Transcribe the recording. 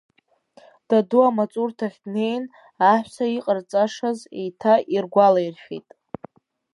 Даду амаҵурҭахь днеин, аҳәса иҟарҵашаз еиҭа иргәалаиршәеит.